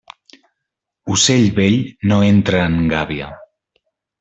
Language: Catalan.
Ocell vell no entra en gàbia.